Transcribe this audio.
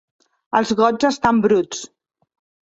Els gots estan bruts.